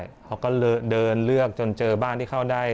เขาก็เดินเลือกจนเจอบ้านที่เข้าได้